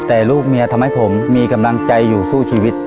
แต่ลูกเมียทำให้ผมมีกำลังใจอยู่สู้ชีวิต